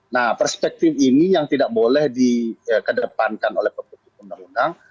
nah perspektif ini yang tidak boleh dikedepankan oleh pembentuk undang undang